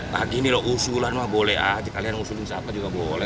pak gini loh usulan mah boleh aja kalian usulin siapa juga boleh